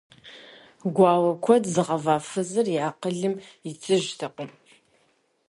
Гуауэ куэд зыгъэва фызыр и акъылым итыжтэкъым.